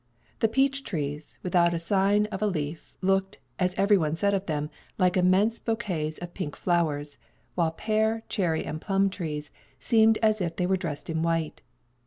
The peach trees, without a sign of a leaf, looked, as every one said of them, like immense bouquets of pink flowers, while pear, cherry and plum trees seemed as if they were dressed in white.